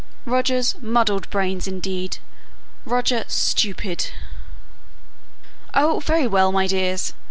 "Roger's 'muddled brains,' indeed! Roger, 'stupid!'" "Oh, very well, my dears!